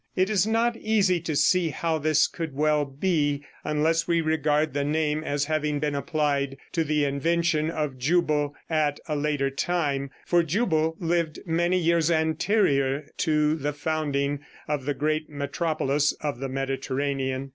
It is not easy to see how this could well be, unless we regard the name as having been applied to the invention of Jubal at a later time, for Jubal lived many years anterior to the founding of the great metropolis of the Mediterranean.